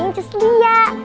yang cus lia